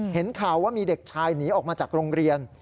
เห็นข่าวว่ามีเด็กชายหนีออกมาจากโรงเรียน